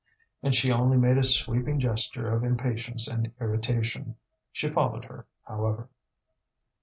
And she only made a sweeping gesture of impatience and irritation. She followed her, however.